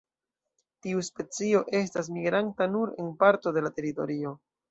Tiu specio estas migranta nur en parto de la teritorio.